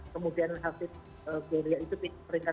kemudian hafidz dengan gloria itu di peringkat sebelas